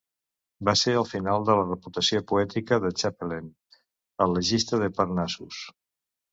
Va ser el final de la reputació poètica de Chapelain, el legista de Parnassus.